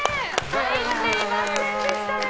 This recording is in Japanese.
入ってませんでしたね。